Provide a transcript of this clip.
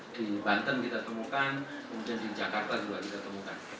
di banten kita temukan kemudian di jakarta juga kita temukan